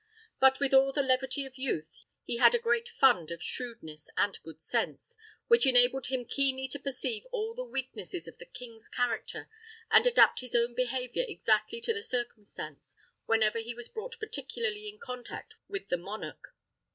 But, with all the levity of youth, he had a great fund of shrewdness and good sense, which enabled him keenly to perceive all the weaknesses of the king's character, and adapt his own behaviour exactly to the circumstance, whenever he was brought particularly in contact with the monarch.